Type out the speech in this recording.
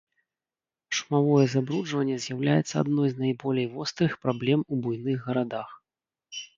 Шумавое забруджванне з'яўляецца адной з найболей вострых праблем у буйных гарадах.